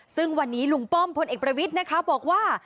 ซึ่งวันนี้ลุงป้อมพลเอกประวิทย์นะคะบอกว่า